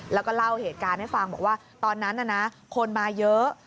แล้วก็เล่าเหตุการณ์ให้ฟังบอกว่าตอนนั้นน่ะนะคนมาเยอะ